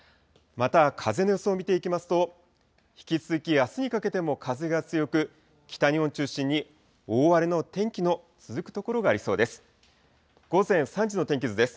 また風の予想を見ていきますと、引き続きあすにかけても風が強く、北日本を中心に、大荒れの天気の続く所がありそうです。